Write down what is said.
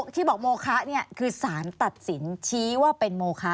ที่บอกโมคะคือสารตัดสินชี้ว่าเป็นโมคะ